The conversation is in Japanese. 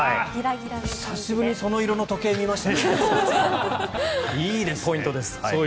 久しぶりにその色の時計を見ました。